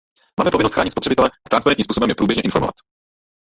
Máme povinnost chránit spotřebitele a transparentním způsobem je průběžně informovat.